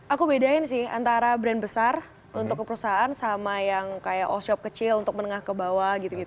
aku bedain sih antara brand besar untuk ke perusahaan sama yang kayak oshop kecil untuk menengah ke bawah gitu gitu